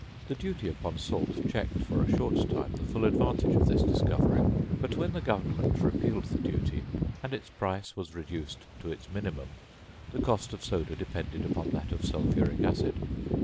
The duty upon salt checked, for a short time, the full advantage of this discovery; but when the Government repealed the duty, and its price was reduced to its minimum, the cost of soda depended upon that of sulphuric acid.